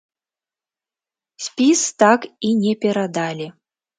Спіс так і не перадалі.